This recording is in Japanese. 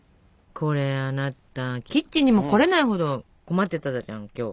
これあなたキッチンにも来れないほど困ってたじゃん今日。